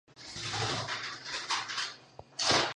هغه د کورنۍ لپاره پاک هوای ته پام کوي.